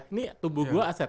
ini tubuh gue aset